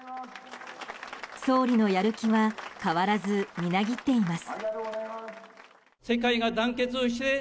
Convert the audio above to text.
総理のやる気は変わらず、みなぎっています。